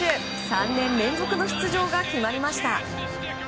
３年連続の出場が決まりました。